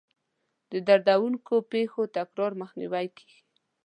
د دردونکو پېښو د تکرار مخنیوی کیږي.